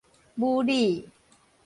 武理